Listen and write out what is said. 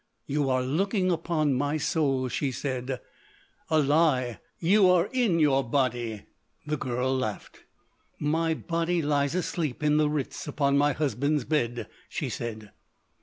"You are looking upon my soul," she said. "A lie! You are in your body!" The girl laughed. "My body lies asleep in the Ritz upon my husband's bed," she said.